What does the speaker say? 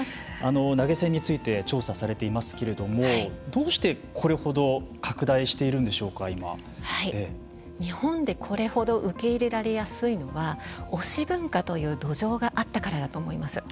投げ銭について調査されていますけれどもどうしてこれほど日本でこれほど受け入れやすいのは推し文化という土壌があったからだと思います。